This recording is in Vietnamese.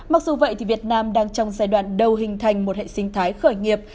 mặc dù vậy thì việt nam đang trong giai đoạn đầu hình thành một hệ sinh thái khởi nghiệp